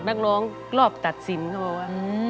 นักร้องรอบตัดสินเขาบอกว่า